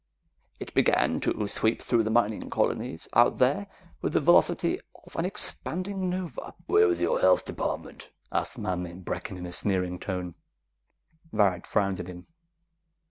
It began to sweep through the mining colonies out there with the velocity of an expanding nova!" "Where was your Health Department?" asked the man named Brecken in a sneering tone. Varret frowned at him.